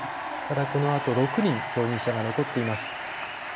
このあと６人競技者が残っています。